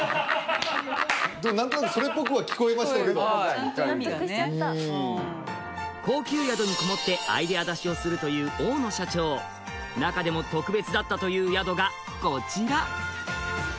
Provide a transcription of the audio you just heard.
何となくそれっぽくは聞こえましたけどちゃんと意味がね納得しちゃった高級宿にこもってアイデア出しをするという大野社長中でも特別だったという宿がこちら！